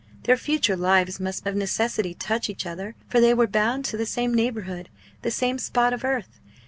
Their future lives must of necessity touch each other, for they were bound to the same neighbourhood, the same spot of earth.